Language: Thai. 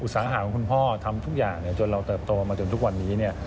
สาขาของคุณพ่อทำทุกอย่างจนเราเติบโตมาจนทุกวันนี้เนี่ย